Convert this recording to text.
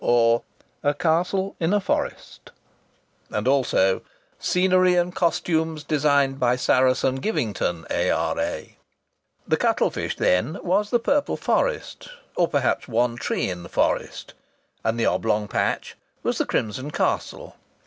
or A castle in a forest"; and also, "Scenery and costumes designed by Saracen Givington, A.R.A." The cuttle fish, then, was the purple forest, or perhaps one tree in the forest, and the oblong patch was the crimson castle.